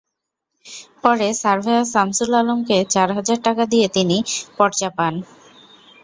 পরে সার্ভেয়ার শামসুল আলমকে চার হাজার টাকা দিয়ে তিনি পরচা পান।